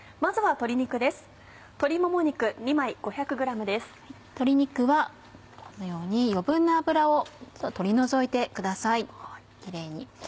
鶏肉はこのように余分な脂を取り除いてくださいキレイに。